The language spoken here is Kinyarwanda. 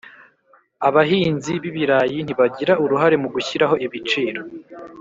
Abahinzi bibirayi ntibagira uruhare mu gushyiraho ibiciro.